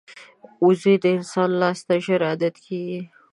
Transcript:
وزې د انسان لاس ته ژر عادت کېږي